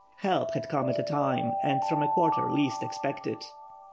Help had come at a time and from a quarter least expected.